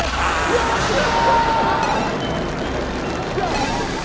やった！